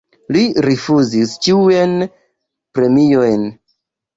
Li rifuzis ĉiujn premiojn.